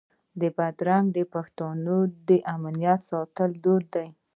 بدرګه د پښتنو د امنیت ساتلو دود دی.